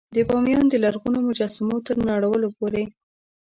د بامیان د لرغونو مجسمو تر نړولو پورې.